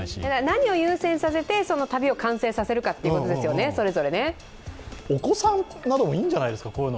何を優先させて旅を完成させるかっていうことですよね、それぞれお子さんなどはいいんじゃないですか。